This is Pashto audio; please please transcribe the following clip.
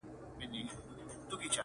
بدكارمو كړی چي وركړي مو هغو ته زړونه!